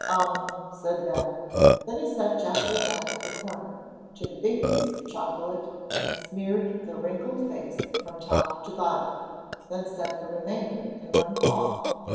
"Um!" said Ben; then he set Jocko down in the corner, took a big piece of chocolate, and smeared the wrinkled face from top to bottom, then set the remainder in one paw.